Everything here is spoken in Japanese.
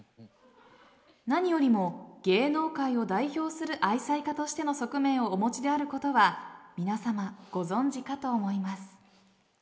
何よりも芸能界を代表する愛妻家としての側面をお持ちであることは皆さまご存じかと思います。